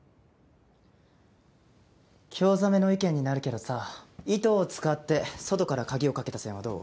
興ざめの意見になるけどさ糸を使って外から鍵をかけた線はどう？